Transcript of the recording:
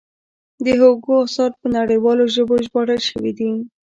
د هوګو اثار په نړیوالو ژبو ژباړل شوي دي.